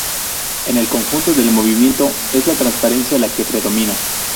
En el conjunto del movimiento, es la transparencia la que predomina.